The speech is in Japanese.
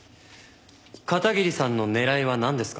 片桐さんの狙いはなんですか？